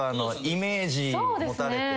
イメージ持たれて。